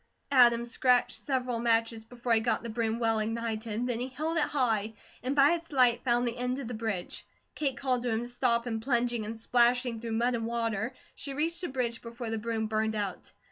Adam scratched several matches before he got the broom well ignited, then he held it high, and by its light found the end of the bridge. Kate called to him to stop and plunging and splashing through mud and water, she reached the bridge before the broom burned out.